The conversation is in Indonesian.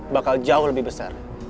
bakal jauh lebih besar